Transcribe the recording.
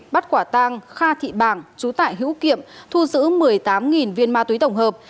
bắt quả tang kha thị bảng chú tải hữu kiệm thu giữ một mươi tám viên ma túy tổng hợp